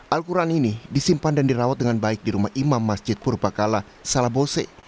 al quran ini disimpan dan dirawat dengan baik di rumah imam masjid purbakala salabose